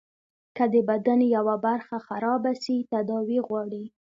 که د بدن يوه برخه خرابه سي تداوي غواړي.